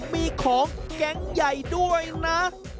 มีของแก๊งใหญ่ด้วยนะ